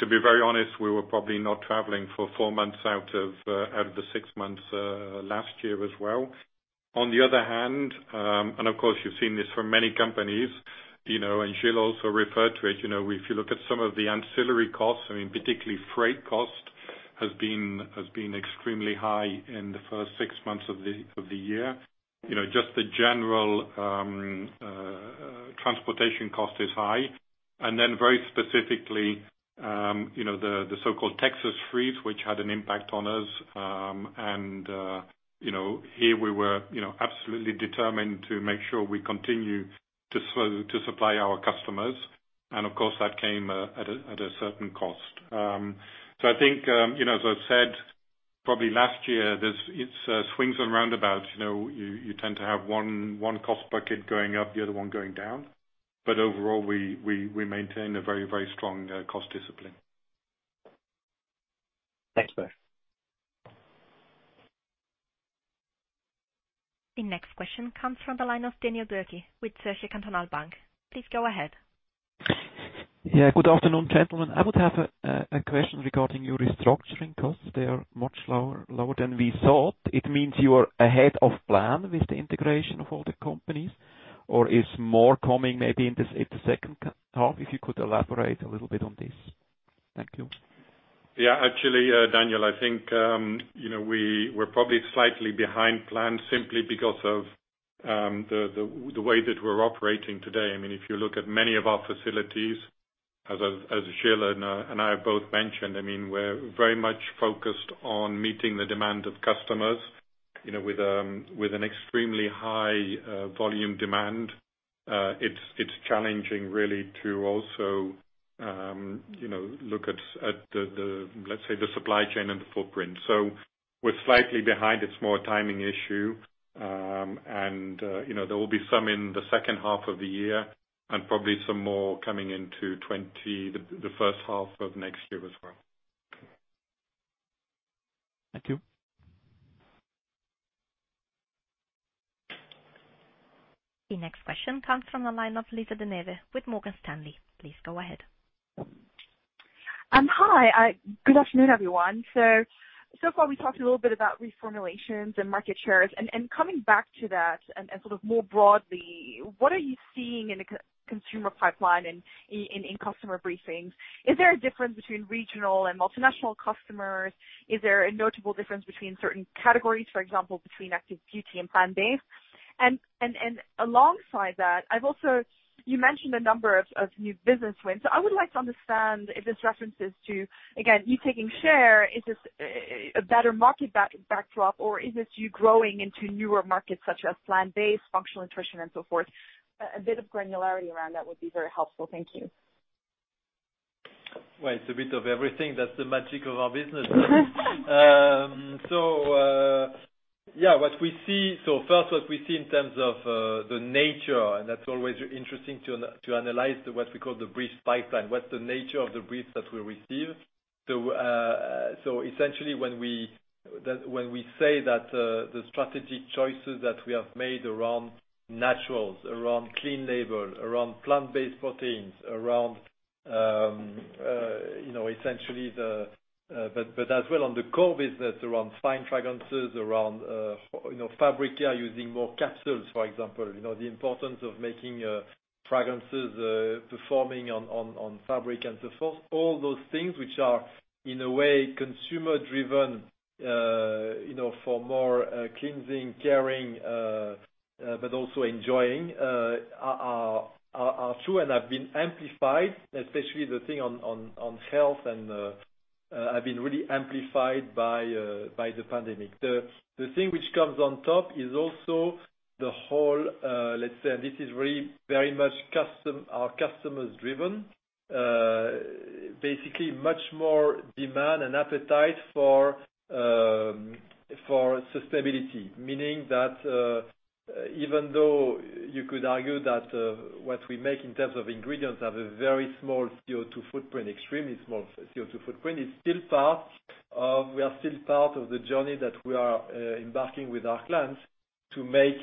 To be very honest, we were probably not traveling for four months out of the six months last year as well. On the other hand, and of course, you've seen this from many companies, and Gilles also referred to it. If you look at some of the ancillary costs, particularly freight cost, has been extremely high in the first six months of the year. Just the general transportation cost is high. Very specifically, the so-called Texas freeze, which had an impact on us. Here we were absolutely determined to make sure we continue to supply our customers. Of course, that came at a certain cost. I think, as I've said, probably last year, it's swings and roundabouts. You tend to have one cost bucket going up, the other one going down. Overall, we maintain a very strong cost discipline.
Thanks both.
The next question comes from the line of Daniel Bürki with Zürcher Kantonalbank. Please go ahead.
Yeah. Good afternoon, gentlemen. I would have a question regarding your restructuring costs. They are much lower than we thought. It means you are ahead of plan with the integration of all the companies, or is more coming maybe in the second half? If you could elaborate a little bit on this. Thank you.
Actually, Daniel, I think we're probably slightly behind plan simply because of the way that we're operating today. If you look at many of our facilities, as Gilles and I both mentioned, we're very much focused on meeting the demand of customers. With an extremely high volume demand, it's challenging really to also look at, let's say, the supply chain and the footprint. We're slightly behind. It's more a timing issue. There will be some in the second half of the year and probably some more coming into the first half of next year as well.
Thank you.
The next question comes from the line of Lisa De Neve with Morgan Stanley. Please go ahead.
Hi. Good afternoon, everyone. So far we've talked a little bit about reformulations and market shares, coming back to that and more broadly, what are you seeing in the consumer pipeline in customer briefings? Is there a difference between regional and multinational customers? Is there a notable difference between certain categories, for example, between Active Beauty and plant-based? Alongside that, you mentioned a number of new business wins. I would like to understand if this references to, again, you taking share, is this a better market backdrop or is it you growing into newer markets such as plant-based, functional nutrition, and so forth? A bit of granularity around that would be very helpful. Thank you.
Well, it's a bit of everything. That's the magic of our business. Yeah, first what we see in terms of the nature, and that's always interesting to analyze the what we call the brief pipeline. What's the nature of the briefs that we receive? Essentially when we say that the strategic choices that we have made around naturals, around clean label, around plant-based proteins, but as well on the core business, around Fine fragrances, around fabric care, using more capsules, for example. The importance of making fragrances performing on fabric and so forth. All those things which are, in a way, consumer-driven, for more cleansing, caring, but also enjoying, are true and have been amplified, especially the thing on health and have been really amplified by the pandemic. The thing which comes on top is also the whole, let's say, This is very much our customers driven, basically much more demand and appetite for sustainability. Meaning that, even though you could argue that what we make in terms of ingredients have a very small CO2 footprint, extremely small CO2 footprint, we are still part of the journey that we are embarking with our clients to make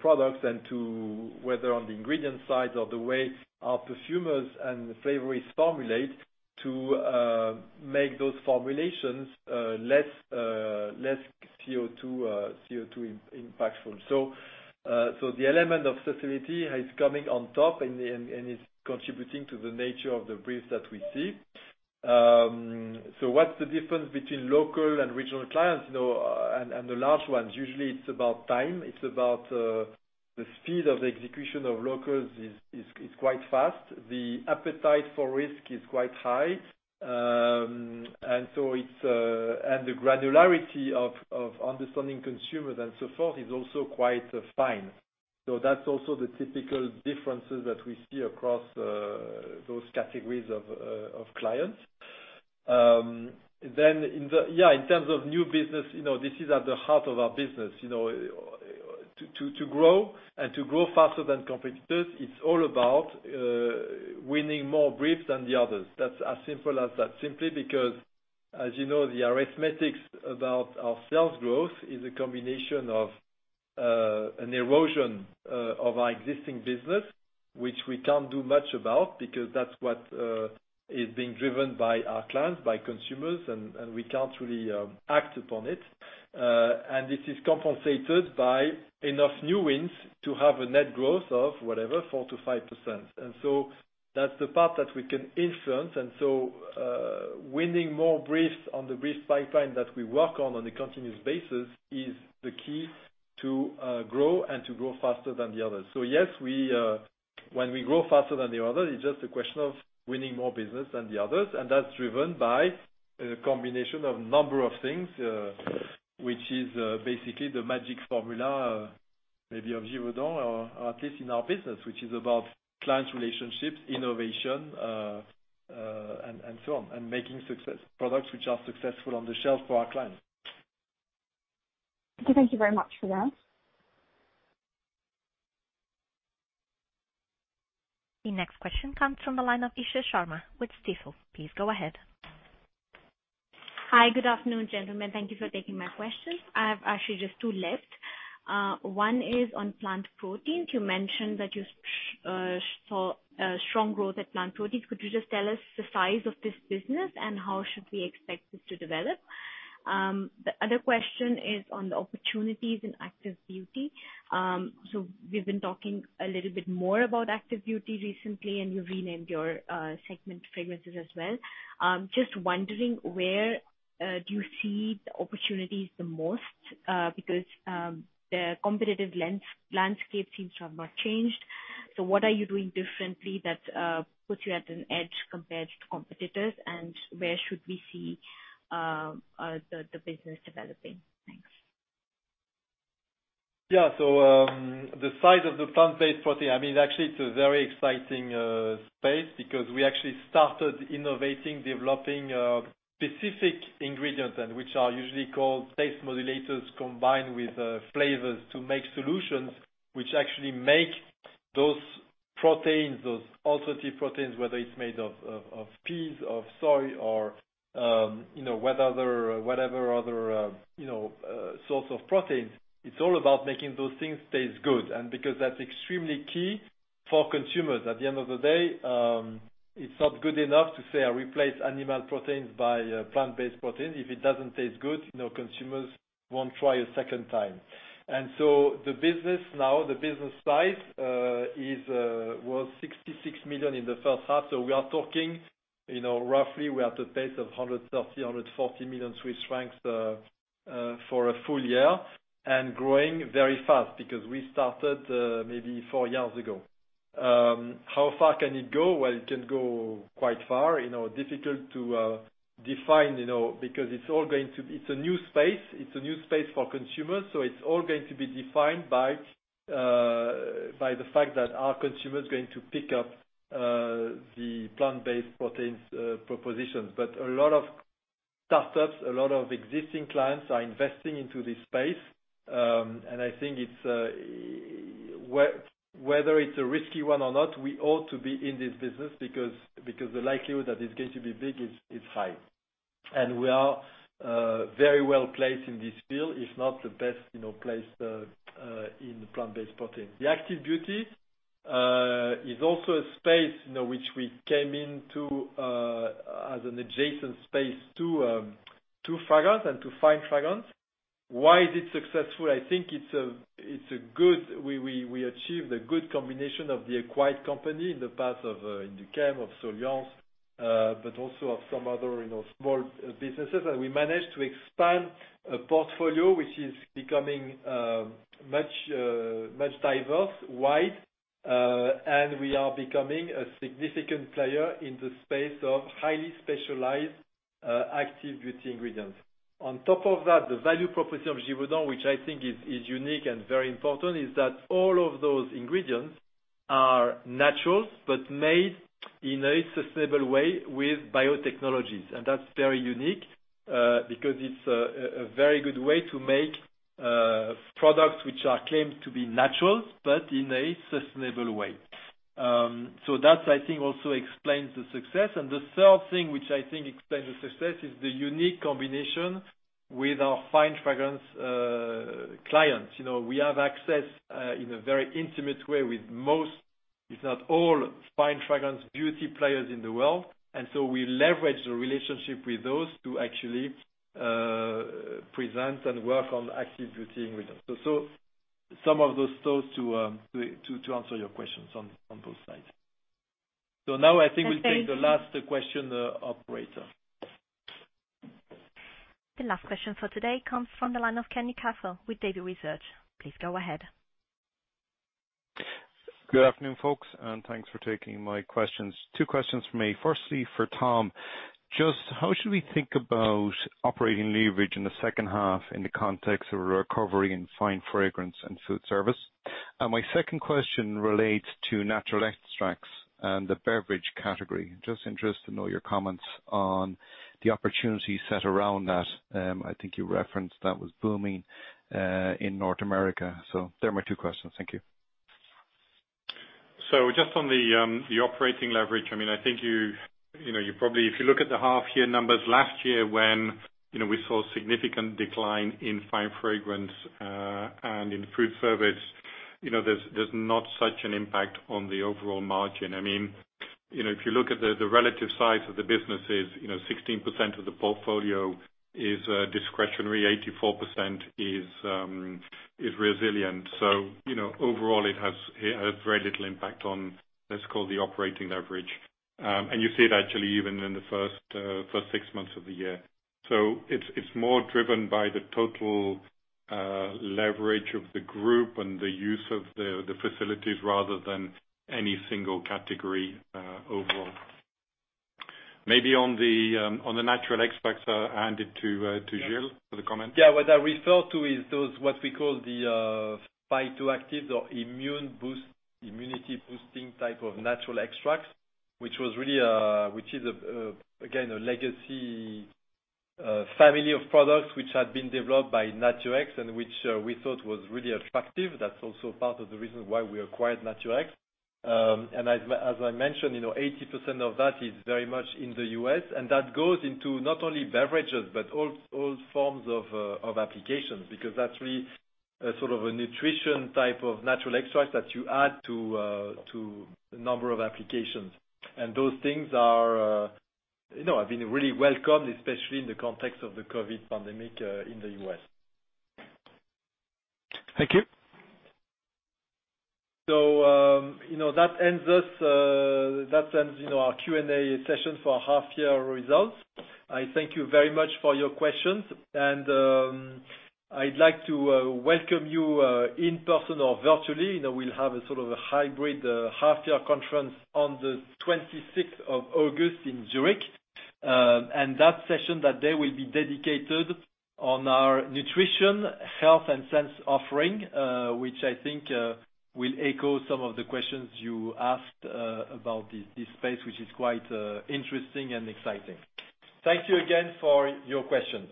products and to, whether on the ingredient side or the way our perfumers and flavorists formulate to make those formulations less CO2 impactful. The element of sustainability is coming on top and is contributing to the nature of the briefs that we see. What's the difference between local and regional clients and the large ones? Usually it's about time, it's about the speed of the execution of locals is quite fast. The appetite for risk is quite high. The granularity of understanding consumers and so forth is also quite fine. That's also the typical differences that we see across those categories of clients. Yeah, in terms of new business, this is at the heart of our business. To grow, and to grow faster than competitors, it's all about winning more briefs than the others. That's as simple as that. Simply because, as you know, the arithmetics about our sales growth is a combination of an erosion of our existing business, which we can't do much about because that's what is being driven by our clients, by consumers, and we can't really act upon it. This is compensated by enough new wins to have a net growth of whatever, 4%-5%. That's the part that we can influence. Winning more briefs on the brief pipeline that we work on a continuous basis is the key to grow and to grow faster than the others. Yes, when we grow faster than the others, it's just a question of winning more business than the others. That's driven by a combination of a number of things, which is basically the magic formula maybe of Givaudan or at least in our business, which is about client relationships, innovation, and so on, and making products which are successful on the shelf for our clients.
Okay. Thank you very much for that.
The next question comes from the line of Isha Sharma with Stifel. Please go ahead.
Hi. Good afternoon, gentlemen. Thank you for taking my questions. I have actually just two left. One is on plant protein. You mentioned that you saw strong growth at plant proteins. Could you just tell us the size of this business, and how should we expect this to develop? The other question is on the opportunities in Active Beauty. We've been talking a little bit more about Active Beauty recently, and you've renamed your segment Fragrances as well. Just wondering, where do you see the opportunities the most, because the competitive landscape seems to have not changed. What are you doing differently that puts you at an edge compared to competitors, and where should we see the business developing? Thanks.
Yeah. The size of the plant-based protein, actually, it's a very exciting space because we actually started innovating, developing specific ingredients then, which are usually called taste modulators, combined with flavors to make solutions, which actually make those proteins, those alternative proteins, whether it's made of peas, of soy, or whatever other source of proteins. It's all about making those things taste good. Because that's extremely key for consumers. At the end of the day, it's not good enough to say I replace animal proteins by plant-based proteins. If it doesn't taste good, consumers won't try a second time. The business now, the business size was 66 million in the first half. We are talking roughly, we are at a pace of 130 million-140 million Swiss francs for a full year and growing very fast because we started maybe four years ago. How far can it go? Well, it can go quite far. Difficult to define, because it's a new space. It's a new space for consumers. It's all going to be defined by the fact that our consumers are going to pick up the plant-based proteins proposition. A lot of startups, a lot of existing clients are investing into this space. I think whether it's a risky one or not, we ought to be in this business because the likelihood that it's going to be big is high. We are very well-placed in this field, if not the best placed in plant-based protein. The Active Beauty is also a space which we came into as an adjacent space to Fragrance and to Fine fragrances. Why is it successful? I think we achieved a good combination of the acquired company in the path of Induchem, of Soliance, but also of some other small businesses. We managed to expand a portfolio which is becoming much diverse, wide. We are becoming a significant player in the space of highly specialized Active Beauty ingredients. On top of that, the value proposition of Givaudan, which I think is unique and very important, is that all of those ingredients are natural but made in a sustainable way with biotechnologies. That's very unique, because it's a very good way to make products which are claimed to be natural, but in a sustainable way. That I think also explains the success. The third thing which I think explains the success is the unique combination with our Fine fragrance clients. We have access in a very intimate way with most, if not all Fine fragrances beauty players in the world. We leverage the relationship with those to actually present and work on Active Beauty ingredients. Some of those thoughts to answer your questions on both sides. Now I think we'll take the last question, operator.
The last question for today comes from the line of Kenny, Cathal with Davy Research. Please go ahead.
Good afternoon, folks. Thanks for taking my questions. Two questions for me. Firstly, for Tom, just how should we think about operating leverage in the second half in the context of a recovery in Fine fragrances and food service? My second question relates to natural extracts and the beverage category. Just interested to know your comments on the opportunity set around that. I think you referenced that was booming in North America. They're my two questions. Thank you.
Just on the operating leverage, if you look at the half-year numbers last year when we saw significant decline in Fine fragrances, and in food service, there's not such an impact on the overall margin. If you look at the relative size of the businesses, 16% of the portfolio is discretionary, 84% is resilient. Overall, it has very little impact on, let's call, the operating leverage. You see it actually even in the first six months of the year. It's more driven by the total leverage of the group and the use of the facilities rather than any single category overall. Maybe on the natural extracts, I'll hand it to Gilles for the comments.
What I refer to is those, what we call the phytoactives or immunity-boosting type of natural extracts, which is, again, a legacy family of products which had been developed by Naturex and which we thought was really attractive. That's also part of the reason why we acquired Naturex. As I mentioned, 80% of that is very much in the U.S., and that goes into not only beverages, but all forms of applications, because that's really a sort of a nutrition type of natural extract that you add to a number of applications. Those things have been really welcomed, especially in the context of the COVID-19 pandemic in the U.S.
Thank you.
That ends our Q&A session for our half-year results. I thank you very much for your questions. I'd like to welcome you in person or virtually. We'll have a sort of a hybrid half-year conference on the 26th of August in Zurich. That session that day will be dedicated on our nutrition, health, and sense offering, which I think will echo some of the questions you asked about this space, which is quite interesting and exciting. Thank you again for your questions.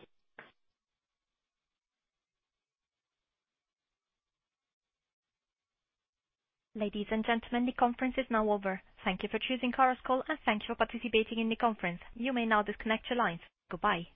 Ladies and gentlemen, the conference is now over. Thank you for choosing Chorus Call and thank you for participating in the conference. You may now disconnect your lines. Goodbye.